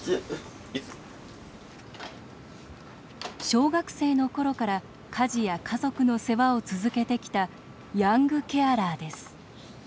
小学生のころから家事や家族の世話を続けてきたヤングケアラーです